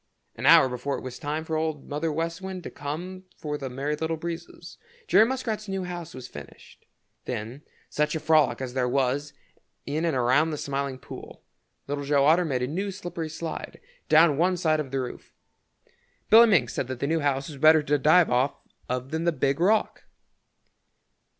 An hour before it was time for Old Mother West Wind to come for the Merry Little Breezes, Jerry Muskrat's new house was finished. Then such a frolic as there was in and around the Smiling Pool! Little Joe Otter made a new slippery slide down one side of the roof. Billy Mink said that the new house was better to dive off of than the Big Rock.